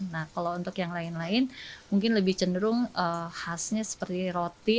nah kalau untuk yang lain lain mungkin lebih cenderung khasnya seperti roti